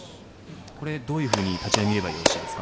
どういうふうに立ち合いを見ればよろしいですか？